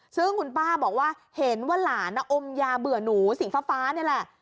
ซึ่งคุณป้าบอกว่าเห็นว่าหลานอมยาเบื่อหนูสีฟ้านี่แหละ